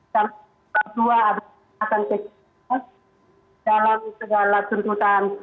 dan kedua ada penuntutan kecemasan dalam segala tuntutan